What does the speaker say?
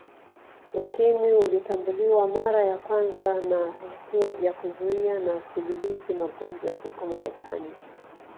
Ukimwi ulitambuliwa mara ya kwanza na Vituo vya Kuzuia na Kudhibiti Magonjwa huko Marekani